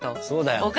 そうだよ。